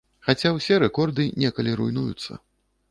Хаця ўсе рэкорды некалі руйнуюцца.